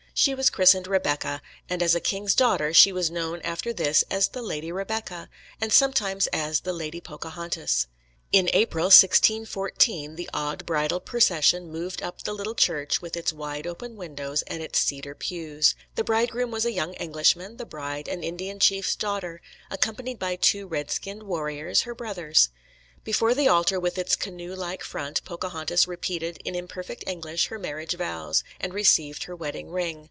She was christened Rebecca, and as a king's daughter she was known after this as the Lady Rebecca, and sometimes as the Lady Pocahontas. In April, 1614, the odd bridal procession moved up the little church with its wide open windows and its cedar pews. The bridegroom was a young Englishman, the bride an Indian chief's daughter, accompanied by two red skinned warriors, her brothers. Before the altar with its canoe like front Pocahontas repeated in imperfect English her marriage vows, and received her wedding ring.